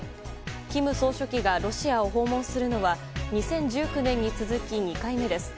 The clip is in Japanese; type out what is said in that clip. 金総書記がロシアを訪問するのは２０１９年に続き２回目です。